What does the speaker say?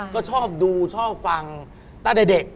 ก็ชอบดูชอบฟังตั้งแต่เด็ก